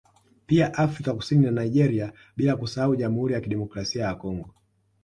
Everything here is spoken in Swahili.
Pia Afrika Kusini na Nigeria bila kusahau Jamhuri ya Kidemikrasia ya Congo